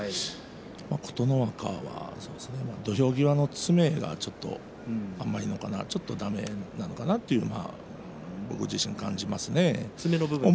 琴ノ若は土俵際の詰めがちょっと甘いのかなだめなのかなというのが僕自身、感じますね。